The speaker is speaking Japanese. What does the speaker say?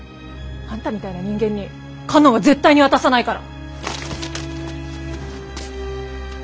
あんたみたいな人間に佳音は絶対に渡さないから。